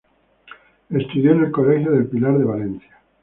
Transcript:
Estudió en el Colegio del Pilar de Valencia.